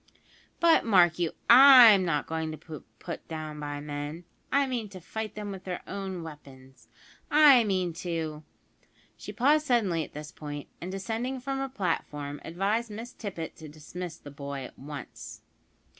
"But, mark you, I'm not going to be put down by men. I mean to fight 'em with their own weapons. I mean to " She paused suddenly at this point, and, descending from her platform, advised Miss Tippet to dismiss the boy at once.